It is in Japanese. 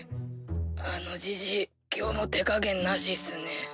あのジジイ今日も手加減なしっすね。